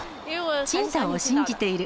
青島を信じている。